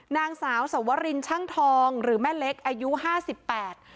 นางสาวสวรินช่างทองหรือแม่เล็กอายุห้าสิบแปด